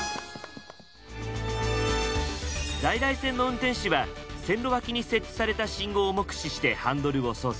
在来線の運転士は線路脇に設置された信号を目視してハンドルを操作。